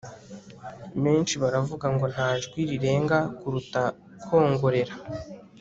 benshi baravuga ngo 'nta jwi rirenga kuruta kwongorera